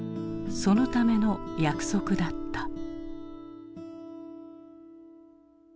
そのための約束だった。